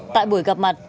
tại buổi gặp mặt